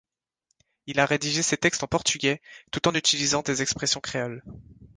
Il a rédigé ses textes en portugais, tout en utilisant des expressions créoles.